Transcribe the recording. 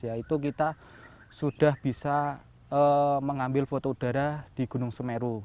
yaitu kita sudah bisa mengambil foto udara di gunung semeru